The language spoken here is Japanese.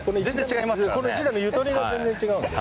この１打のゆとりが全然違うんで。